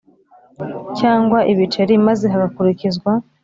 Cyangwa ibiceri maze hagakurikizwa